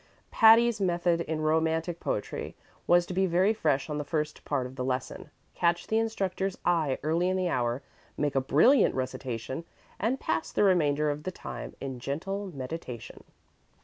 Patty's method in Romantic Poetry was to be very fresh on the first part of the lesson, catch the instructor's eye early in the hour, make a brilliant recitation, and pass the remainder of the time in gentle meditation.